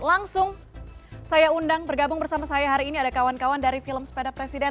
langsung saya undang bergabung bersama saya hari ini ada kawan kawan dari film sepeda presiden